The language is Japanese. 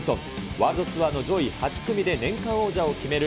ワールドツアーの上位８組で年間王者を決める